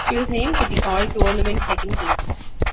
She was named to the All-Tournament second team.